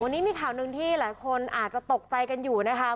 วันนี้มีข่าวหนึ่งที่หลายคนอาจจะตกใจกันอยู่นะคะ